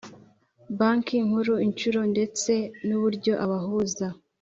Banki Nkuru inshuro ndetse n uburyo abahuza